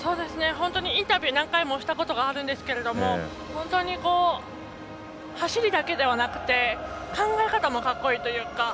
本当にインタビュー何回もしたことあるんですけど本当に走りだけではなくて考え方もかっこいいというか。